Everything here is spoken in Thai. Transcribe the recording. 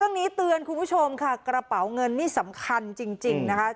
เรื่องนี้เตือนคุณผู้ชมค่ะกระเป๋าเงินนี่สำคัญจริงนะคะ